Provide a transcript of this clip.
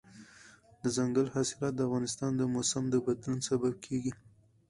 دځنګل حاصلات د افغانستان د موسم د بدلون سبب کېږي.